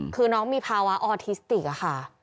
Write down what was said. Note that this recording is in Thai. คือน้องมีภาวะออทิสติกค่ะ